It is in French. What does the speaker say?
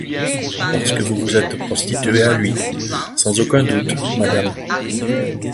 Parce que vous vous êtes prostituée à lui, sans aucun doute, madame!